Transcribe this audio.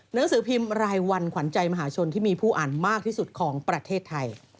หนังสือพิมพ์รายวันขวัญใจมหาชนที่มีผู้อ่านมากที่สุดของประเทศไทย